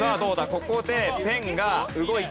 ここでペンが動いた。